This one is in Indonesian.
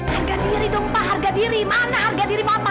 harga kiri dong pak harga diri mana harga diri bapak